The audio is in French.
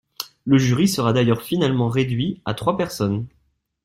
Le jury sera d'ailleurs finalement réduit à trois personnes.